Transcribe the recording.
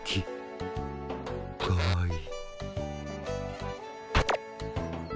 かわいい。